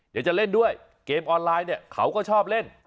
เดี๋ยวจะเล่นด้วยเกมออนไลน์เนี่ยเขาก็ชอบเล่น